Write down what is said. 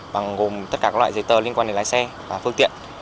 bằng gồm tất cả các loại giấy tờ liên quan đến lái xe và phương tiện